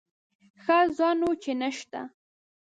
ښه ځه نو چې نه شته.